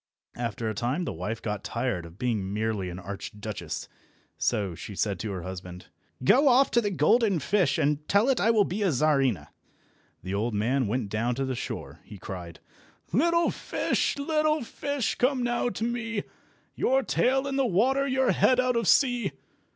After a time the wife got tired of being merely an Archduchess, so she said to her husband— "Go off to the golden fish, and tell it I will be a Czarina." The old man went down to the shore. He cried— "Little fish, little fish, come now to me, Your tail in the water, your head out of sea!"